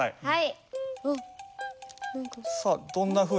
はい。